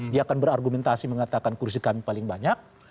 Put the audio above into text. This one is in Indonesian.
dia akan berargumentasi mengatakan kursi kami paling banyak